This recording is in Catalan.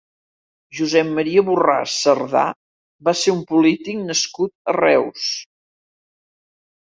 Josep Maria Borràs Sardà va ser un polític nascut a Reus.